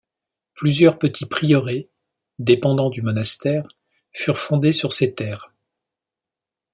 Plusieurs petits prieurés, dépendant du monastère, furent fondés sur ces terres.